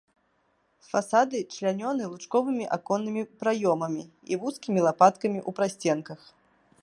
Фасады члянёны лучковымі аконнымі праёмамі і вузкімі лапаткамі ў прасценках.